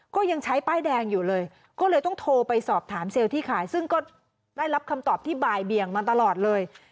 ก็ยังใช้ป้ายแดงอยู่เลยก็เลยต้องโทรไปสอบถามเซลล์ที่ขายซึ่งก็ได้รับคำตอบที่บ่ายเบียงมาตลอดเลย